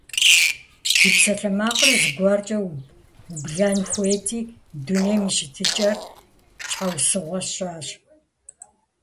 Ди псалъэмакъыр зыгуэркӀэ ублэн хуейти, дунейм и щытыкӏэр щхьэусыгъуэ сщӀащ.